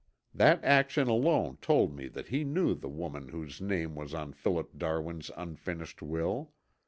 That action alone told me that he knew the woman whose name was on Philip Darwin's unfinished will.